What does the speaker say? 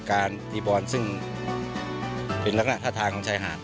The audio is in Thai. การดีบอลเป็นลักหน้าทัฐานของชายหาธุ